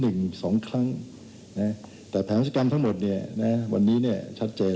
หนึ่งสองครั้งนะฮะแต่แผนประศกรรมทั้งหมดเนี่ยนะวันนี้เนี่ย